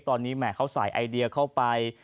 ตอนนี้แหมเขาใส่ไอเดียเข้าไป